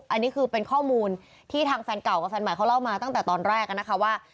อันนี้คือเป็นข้อมูลที่ทางแฟนเก่ากับแฟนใหม่เขาเล่ามาตั้งแต่ตอนแรกนะคะว่า